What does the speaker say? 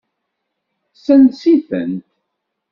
Sens-itent.